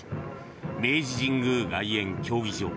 明治神宮外苑競技場